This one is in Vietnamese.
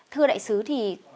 thưa đại sứ thì